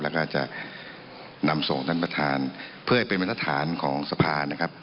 แล้วก็จะนำส่งท่านประธานเพื่อให้เป็นมาตรฐานของสภานะครับ